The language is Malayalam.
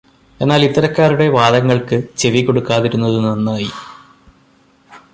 എന്നാൽ ഇത്തരക്കാരുടെ വാദങ്ങൾക്ക് ചെവികൊടുക്കാതിരുന്നത് നന്നായി.